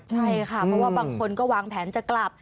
ใช่ค่ะเพราะว่าบางคนก็วางแผนจะกลับ